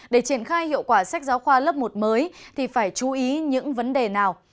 để triển khai hiệu quả sách giáo khoa lớp một mới thì phải chú ý những vấn đề nào